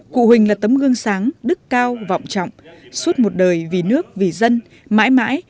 cụ huỳnh là tấm gương sáng đức cao vọng trọng suốt một đời vì nước vì dân mãi mãi